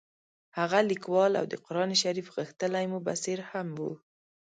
هغه لیکوال او د قران شریف غښتلی مبصر هم وو.